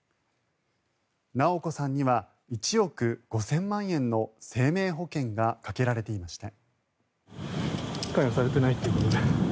直子さんには１億５０００万円の生命保険がかけられていました。